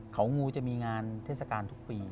เขางูจะมีงานเทศกาลทุกปี